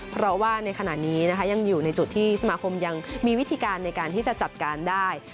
เพราะว่าในขณะนี้นะคะยังอยู่ในจุดที่สมาคมยังมีวิธีการในการที่จะจัดการได้